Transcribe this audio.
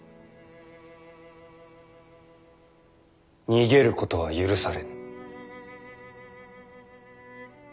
逃げることは許されぬ。